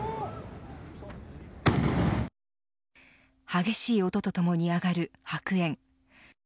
激しい音とともに上がる白煙。